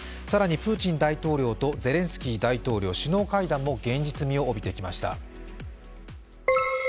更にプーチン大統領とゼレンスキー大統領、首脳会談も現実味を帯びてきました。